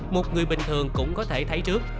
một người bình thường cũng có thể thấy trước